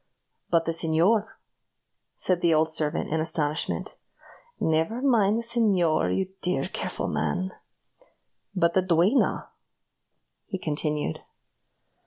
"But the señor?" said the old servant, in astonishment. "Never mind the señor, you dear, careful man." "But the duenna?" he continued.